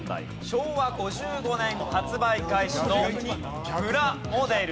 昭和５５年発売開始のプラモデルです。